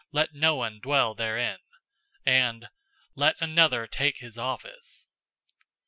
Let no one dwell therein;'{Psalm 69:25} and, 'Let another take his office.'